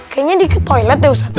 kayanya di ke toilet deh ustaz